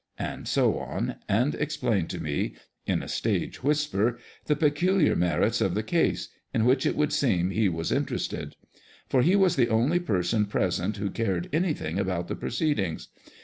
and so on, and explain to me (in a stage whisper) the peculiar merits of the case, in which it would seem he was in terested ; for lie was the only person present who cared anything about the proceedings.